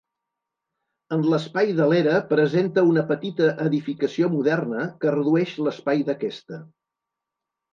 En l'espai de l'era presenta una petita edificació moderna que redueix l'espai d'aquesta.